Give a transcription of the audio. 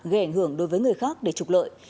ghẻ hưởng đối với người khác để trục lợi